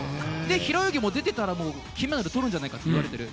平泳ぎも、出ていたら金メダルをとるんじゃないかといわれている。